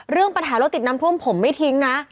เรื่องปัญหารถติดน้ำท่วมผมไม่ทิ้งนะ